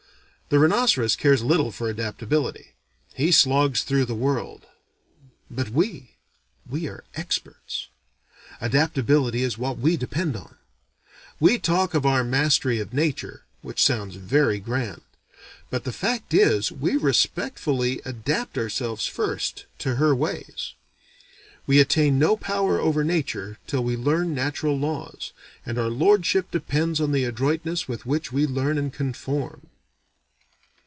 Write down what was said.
The rhinoceros cares little for adaptability. He slogs through the world. But we! we are experts. Adaptability is what we depend on. We talk of our mastery of nature, which sounds very grand; but the fact is we respectfully adapt ourselves first, to her ways. "We attain no power over nature till we learn natural laws, and our lordship depends on the adroitness with which we learn and conform."